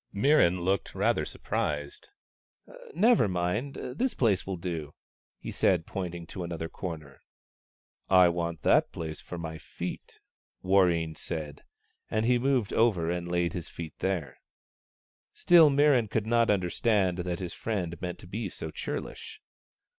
Mirran looked rather surprised. " Never mind ; this place will do," he said, point ing to another corner. " I want that place for my feet," Warreen said. And he moved over and laid his feet there. Still Mirran could not understand that his friend meant to be so churlish.